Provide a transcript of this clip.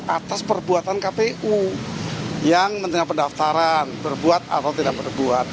atas perbuatan kpu yang menerima pendaftaran berbuat atau tidak berbuat